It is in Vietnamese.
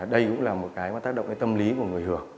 đây cũng là một cái tác động tâm lý của người hưởng